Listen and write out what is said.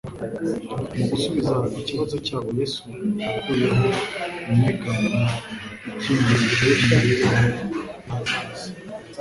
Mu gusubiza ikibazo cyabo Yesu yakuyeho inyegamo ikingirije imibereho y'ahazaza.